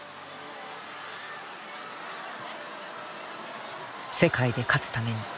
世界で勝つために。